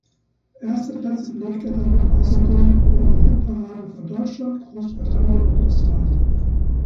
Erste Plätze belegte er damit außerdem in den Hitparaden von Deutschland, Großbritannien und Australien.